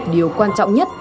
điều quan trọng nhất